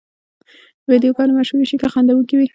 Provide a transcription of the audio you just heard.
ویډیوګانې مشهورې شي که خندوونکې وي.